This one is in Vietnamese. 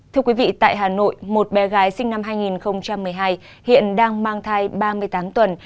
thưa quý vị tại hà nội một bé gái sinh năm hai nghìn một mươi hai hiện đang mang thai ba mươi tám tuần